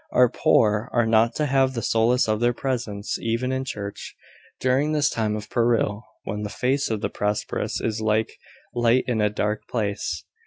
Our poor are not to have the solace of their presence even in church, during this time of peril, when the face of the prosperous is like light in a dark place.